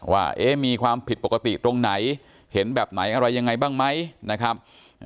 ว่ามีความผิดปกติตรงไหนเห็นแบบไหนอะไรยังไงบ้างไหมนะครับ